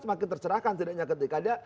semakin tercerahkan tidaknya ketika dia